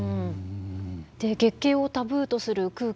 月経をタブーとする空気